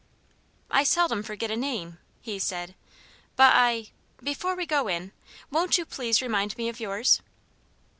"I seldom forget a name," he said, "but I before we go in, won't you please remind me of yours?"